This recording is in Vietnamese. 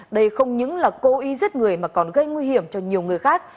đây không những là cố ý giết người mà còn gây nguy hiểm cho nhiều người khác